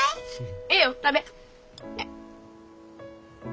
ええよ食べ。